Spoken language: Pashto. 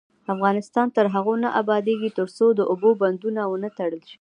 افغانستان تر هغو نه ابادیږي، ترڅو د اوبو بندونه ونه تړل شي.